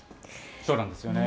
そうなんですよね。